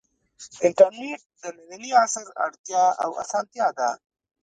انټرنیټ د ننني عصر اړتیا او اسانتیا ده.